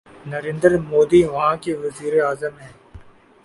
نریندر مودی وہاں کے وزیر اعظم ہیں۔